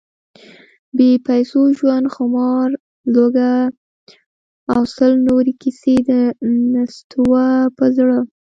بې پیسو ژوند، خمار، لوږه… او سل نورې کیسې، د نستوه یو زړهٔ: